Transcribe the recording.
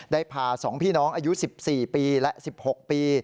ได้พา๒พี่น้องอายุ๑๔ปีและ๑๖ปี